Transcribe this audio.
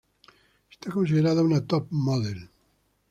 Es considerada una top model.